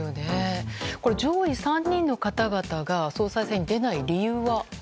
上位３人の方々が総裁選に出ない理由は？